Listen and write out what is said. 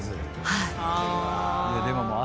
はい。